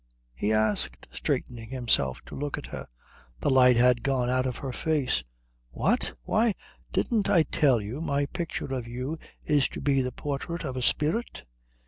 he asked, straightening himself to look at her. The light had gone out of her face. "What? Why didn't I tell you my picture of you is to be the portrait of a spirit?"